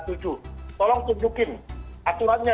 tolong tunjukin aturannya